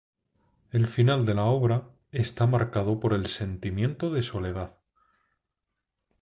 El final de la obra está marcado por el sentimiento de soledad.